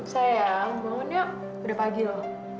sayang bangun yuk udah pagi lho